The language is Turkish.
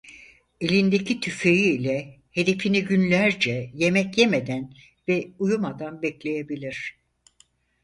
Elindeki tüfeği ile hedefini günlerce yemek yemeden ve uyumadan bekleyebilir.